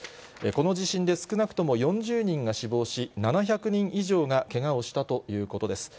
この地震で少なくとも４０人が死亡し、７００人以上がけがをしたということです。